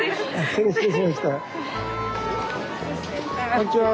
こんにちは。